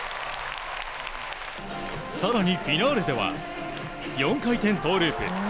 更に、フィナーレでは４回転トウループ。